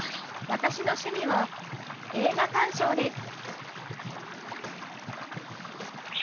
「私の趣味は映画鑑賞です」。